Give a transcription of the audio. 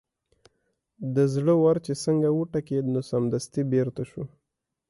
د زړه ور چې څنګه وټکېد نو سمدستي بېرته شو.